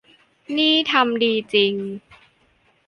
นี่ทำดีจริง